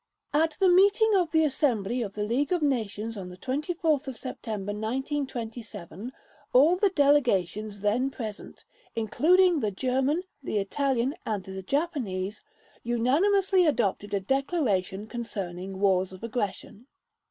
At the meeting of the Assembly of the League of Nations on 24 September 1927, all the delegations then present (including the German, the Italian, and the Japanese), unanimously adopted a declaration concerning wars of aggression.